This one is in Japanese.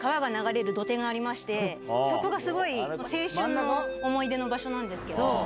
そこが青春の思い出の場所なんですけど。